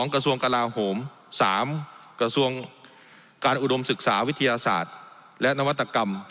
๓กระทรวงการอุดมศึกษาวิทยาศาสตร์และนวัตกรรม